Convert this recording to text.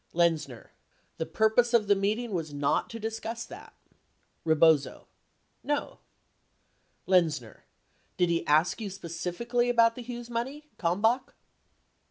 Lenzner. The purpose of the meeting was not to discuss that. Rebozo. No. Lenzner. Did he ask you specifically about the Hughes money? Kalmbach?